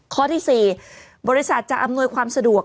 ข้อที่๔บริษัทจะอำนวยความสะดวก